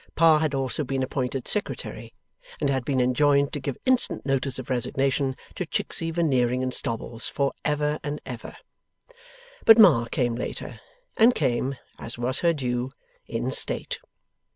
Pa had also been appointed Secretary, and had been enjoined to give instant notice of resignation to Chicksey, Veneering, and Stobbles, for ever and ever. But Ma came later, and came, as was her due, in state.